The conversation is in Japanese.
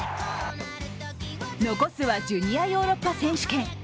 残すはジュニアヨーロッパ選手権。